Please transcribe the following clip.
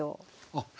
あっ！